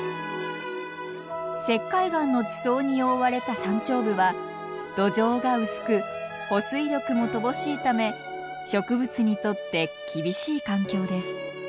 石灰岩の地層に覆われた山頂部は土壌が薄く保水力も乏しいため植物にとって厳しい環境です。